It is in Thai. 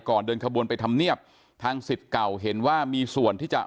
เดินขบวนไปทำเนียบทางสิทธิ์เก่าเห็นว่ามีส่วนที่จะ